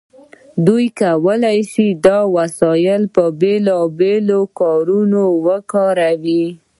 دوی وکولی شول دا وسایل په بیلابیلو کارونو وکاروي.